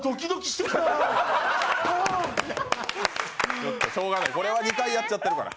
しょうがない、これは２回やっちゃってるから。